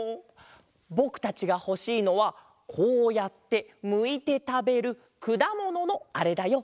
ぼくたちがほしいのはこうやってむいてたべるくだもののあれだよ。